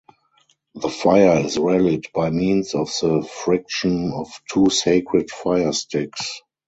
The fire is relit by means of the friction of two sacred fire-sticks.